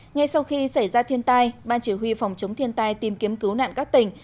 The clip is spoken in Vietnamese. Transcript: ngay sau khi xảy ra thiên tai ban chỉ huy phòng chống thiên tai tìm kiếm cứu nạn các tỉnh